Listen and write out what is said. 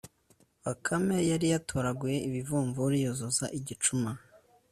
bakame yari yatoraguye ibivumvuri yuzuza igicuma